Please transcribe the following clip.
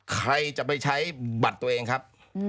ใครจะไปใช้บัตรตัวเองครับ